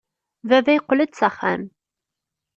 Baba yeqqel-d s axxam.